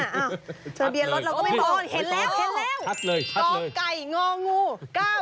ทะเบียรรดเราก็ไม่มองเห็นแล้ว